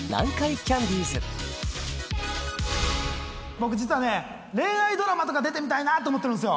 僕実はね恋愛ドラマとか出てみたいなと思ってるんですよ。